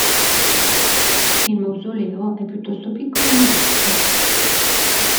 Il mausoleo è piuttosto piccolo e modesto.